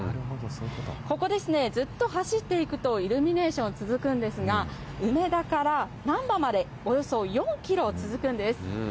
ここですね、ずっと走っていくと、イルミネーション続くんですが、梅田から難波までおよそ４キロ続くんです。